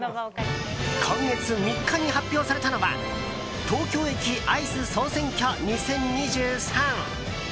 今月３日に発表されたのは東京駅アイス総選挙２０２３。